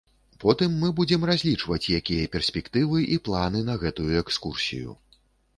Потым мы будзем разлічваць, якія перспектывы і планы на гэтую экскурсію.